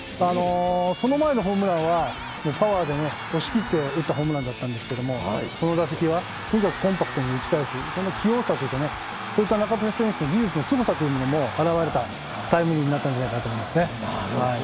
その前のホームランはパワーで押し切って打ったホームランなんですけどこの打席はとにかくコンパクトに打ち返すそういった器用さというかそういった中田選手の技術のすごさも現れたタイムリーになったんじゃないかと思います。